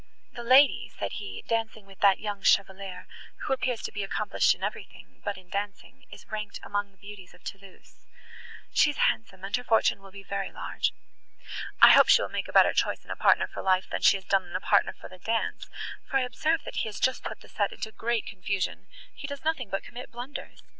"The lady," said he, "dancing with that young Chevalier, who appears to be accomplished in everything, but in dancing, is ranked among the beauties of Thoulouse. She is handsome, and her fortune will be very large. I hope she will make a better choice in a partner for life than she has done in a partner for the dance, for I observe he has just put the set into great confusion; he does nothing but commit blunders.